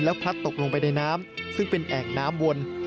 พลัดตกลงไปในน้ำซึ่งเป็นแอ่งน้ำวน